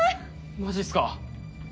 マジっすか？